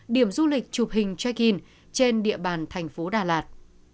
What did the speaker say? điểm du lịch chụp hình check in trên địa bàn thành phố đà lạt